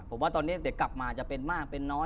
ผมว่าตอนนี้เดี๋ยวกลับมาจะเป็นมากเป็นน้อย